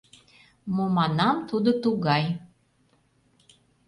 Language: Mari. — Мо, манам, тудо тугай?